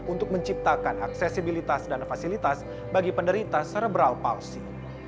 untuk menciptakan aksesibilitas dan fasilitas bagi penderita cerebral palsy